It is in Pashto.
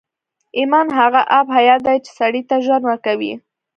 ایمان هغه آب حیات دی چې سړي ته ژوند ورکوي